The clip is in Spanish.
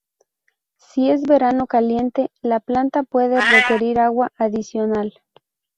Si es verano caliente, la planta puede requerir agua adicional.